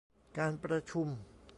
การประชุม